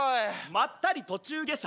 まったり途中下車。